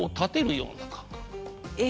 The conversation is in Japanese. え？